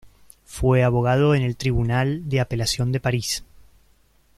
Fue abogado en el Tribunal de apelación de Paris.